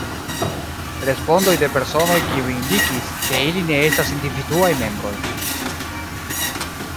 Respondoj de personoj, kiuj indikis, ke ili ne estas individuaj membroj.